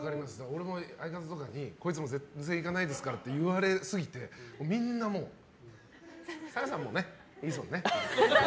俺も相方とかにこいつ絶対行かないですからって言われすぎてみんな、澤部さんはもういいですもんねって。